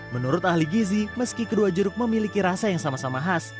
menurut ahli gizi meski kedua jeruk memiliki rasa yang sama sama khas